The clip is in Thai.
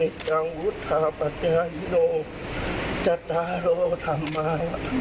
สันติจังหุทธาปัจจาฮิโนจัตราโลธรรมา